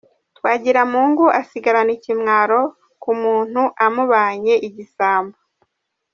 Twagiramungu asigarana ikimwaro k’umuntu amubanye igisambo !